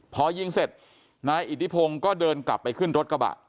พอยิงเสร็จนายอิทธิพงศ์ก็เดินกลับไปขึ้นรถกระบะ